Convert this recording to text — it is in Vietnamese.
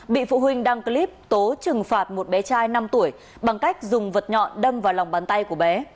bị phụ huynh đăng clip tố trừng phạt một bé trai năm tuổi bằng cách dùng vật nhọn đâm vào lòng bàn tay của bé